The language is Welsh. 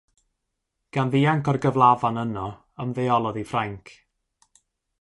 Gan ddianc o'r gyflafan yno ymddeolodd i Ffrainc.